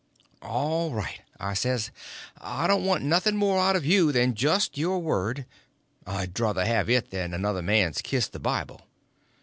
"All right," I says, "I don't want nothing more out of you than just your word—I druther have it than another man's kiss the Bible."